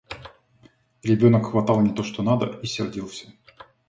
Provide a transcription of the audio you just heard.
Ребенок хватал не то, что надо, и сердился.